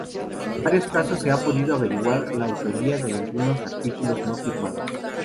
En varios casos se ha podido averiguar la autoría de algunos artículos no firmados.